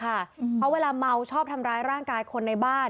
เพราะเวลาเมาชอบทำร้ายร่างกายคนในบ้าน